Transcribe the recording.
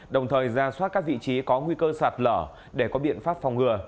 đồng thời ra soát các vị trí có nguy cơ sạt lở để có biện pháp phòng ngừa